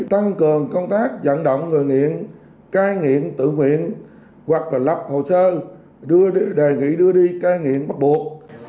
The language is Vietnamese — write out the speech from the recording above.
tăng cường công tác dẫn động người nghiện cai nghiện tự nguyện hoặc lập hồ sơ đề nghị đưa đi cai nghiện bắt buộc